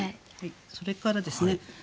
それからですね